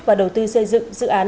và đầu tư xây dựng dự án